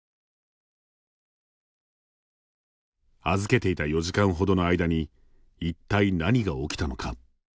預けていた４時間程の間に一体何が起きたのか。